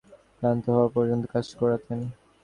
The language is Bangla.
তিনি আমাকে মারধর করতেন এবং ক্লান্ত হওয়া পর্যন্ত কাজ করাতেন।